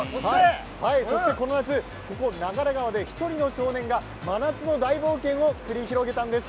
そして、この夏ここ長良川で１人の少年が真夏の大冒険を繰り広げたんです。